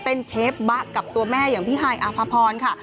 เต้นเชฟบะกับตัวแม่อย่างพี่ไฮอาภาพรค่ะ